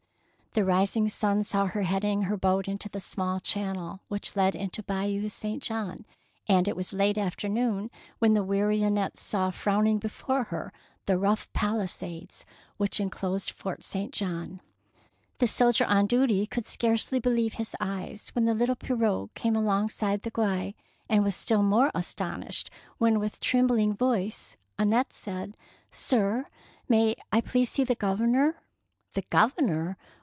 213 DEEDS OF DAKING The rising sun saw her heading her boat into the small channel which led into Bayou St. John, and it was late afternoon when the weary Annette saw frowning before her the rough pali sades which enclosed Fort St. John. The soldier on duty could scarcely believe his eyes when the little pirogue came alongside the quay, and was still more astonished when with trembling voice Annette said, —" Sir, may I please see the Grovernor?^' " The Governor